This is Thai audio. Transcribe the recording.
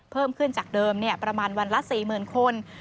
เพิ่มขึ้นจากเดิมประมาณวันละ๔๐๐๐คน